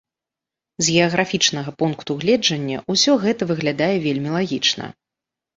З геаграфічнага пункту гледжання ўсё гэта выглядае вельмі лагічна.